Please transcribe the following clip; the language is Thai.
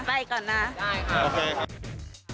ได้ครับ